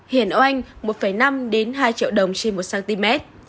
hiển ở anh một năm hai triệu đồng trên một cm